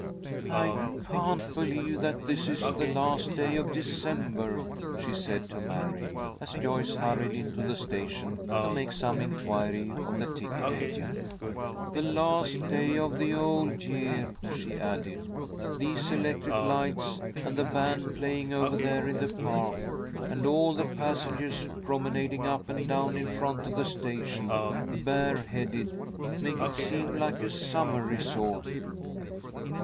"I can't believe that this is the last day of December," she said to Mary, as Joyce hurried into the station to make some inquiry of the ticket agent. "The last day of the old year," she added. "These electric lights and the band playing over there in the park, and all the passengers promenading up and down in front of the station, bareheaded, make it seem like a summer resort."